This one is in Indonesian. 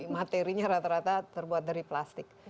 materinya rata rata terbuat dari plastik